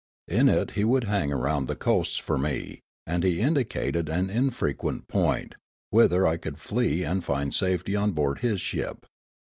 In it he would hang round the coasts for me, and he indicated an unfrequented point, whither I could flee and find safety on board his ship.